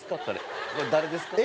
誰ですか？